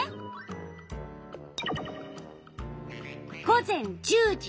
午前１０時。